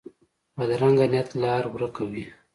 بدرنګه نیت لار ورکه وي